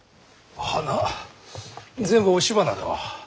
花全部押し花だわ。